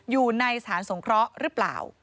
อยู่ในสถานสงเคราะห์หรือเปล่า